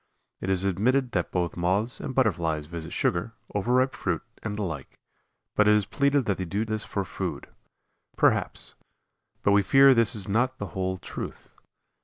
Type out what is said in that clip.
It is admitted that both Moths and Butterflies visit sugar, overripe fruit, and the like, but it is pleaded that they do this for food. Perhaps; but we fear this is not the whole truth.